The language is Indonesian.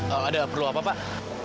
ada perlu apa pak